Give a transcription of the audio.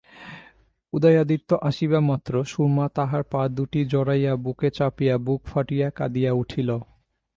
উদয়াদিত্য আসিবামাত্র সুরমা তাঁহার পা দুটি জড়াইয়া বুকে চাপিয়া বুক ফাটিয়া কাঁদিয়া উঠিল।